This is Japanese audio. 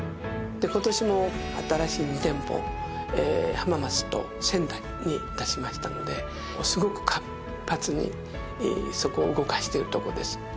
今年も新しい２店舗浜松と仙台に出しましたのですごく活発にそこを動かしているところです。